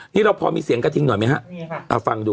นี่เราพอมีเสียงกระทิงหน่อยไหมฮะเอาฟังดู